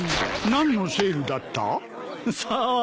何のセールだった？さあ。